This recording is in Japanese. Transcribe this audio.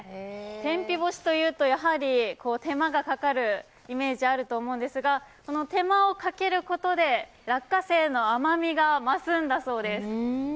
天日干しというと、やはり手間がかかるイメージがあると思うんですがこの手間をかけることで落花生の甘みが増すんだそうです。